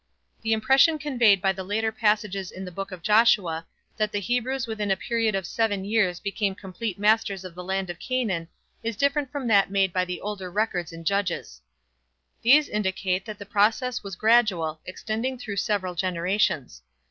The impression conveyed by the later passages in the book of Joshua that the Hebrews within a period of seven years became complete masters of the land of Canaan is different from that made by the older records in Judges. These indicate that the process was gradual, extending through several generations.